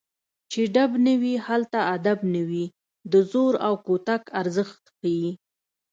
چې ډب نه وي هلته ادب نه وي د زور او کوتک ارزښت ښيي